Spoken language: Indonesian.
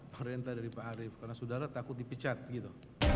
perintah dari pak arief karena sudara takut dipicat gitu